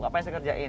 apa yang saya kerjain